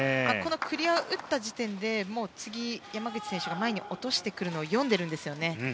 クリアを打った時点で次、山口選手が前に落としてくるのを読んでいるんですね。